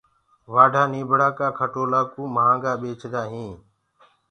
وآڍآ نيٚڀڙآ ڪآ کٽولآ ڪو مهآگآ ٻيچدآ هينٚ